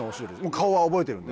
顔は覚えてるんで。